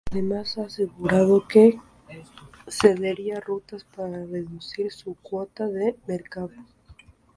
Además ha asegurado que cedería rutas para reducir su cuota de mercado.